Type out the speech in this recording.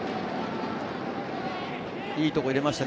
いいところに入れましたね。